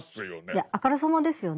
いやあからさまですよね。